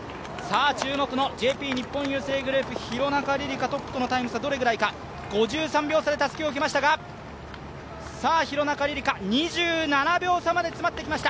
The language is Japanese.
注目のＪＰ日本郵政グループ廣中璃梨佳、トップとの差はどれぐらいか、５３秒差でたすきを受けましたが、２７秒差まで詰まってきました。